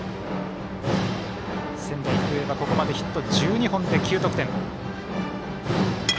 仙台育英はここまでヒット１２本で９得点。